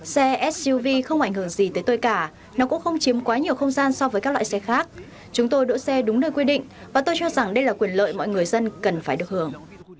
xe suv không ảnh hưởng gì tới tôi cả nó cũng không chiếm quá nhiều không gian so với các loại xe khác chúng tôi đỗ xe đúng nơi quy định và tôi cho rằng đây là quyền lợi mọi người dân cần phải được hưởng